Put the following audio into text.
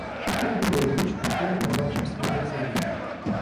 Я купил эту ручку в первом попавшемся магазине.